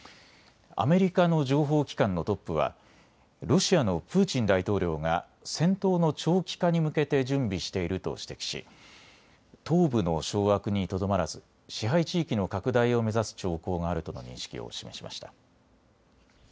アメリカの情報機関のトップはロシアのプーチン大統領が戦闘の長期化に向けて準備していると指摘し東部の掌握にとどまらず支配地域の拡大を目指す兆候があるとの認識を示しました。